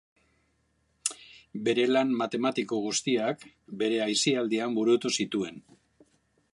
Bere lan matematiko guztiak bere aisialdian burutu zituen.